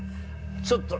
ちょっと。